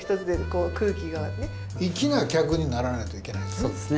粋な客にならないといけないですね。